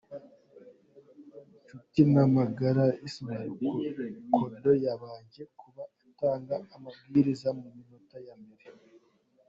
Nshutinamagara Ismail Kodo yabanje kuba atanga amabwiriza mu minota ya mbere.